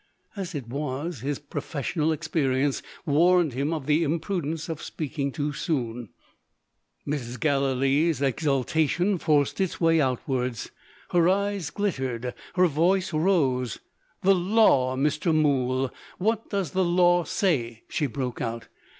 As it was, his professional experience warned him of the imprudence of speaking too soon. Mrs. Galilee's exultation forced its way outwards. Her eyes glittered; her voice rose. "The law, Mr. Mool! what does the law say?" she broke out.